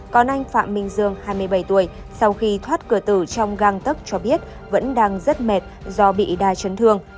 còn anh phạm minh dương hai mươi bảy tuổi sau khi thoát cửa tử trong găng tấc cho biết vẫn đang rất mệt do bị đa chấn thương